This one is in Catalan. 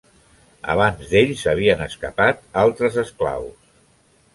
Abans d'ells s'havien escapat altres esclaus.